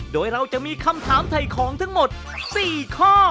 โดยเราจะมีคำถามถ่ายของทั้งหมด๔ข้อ